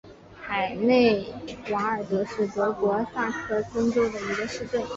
海内瓦尔德是德国萨克森州的一个市镇。